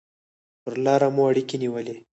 پر لاره مو اړیکې نیولې.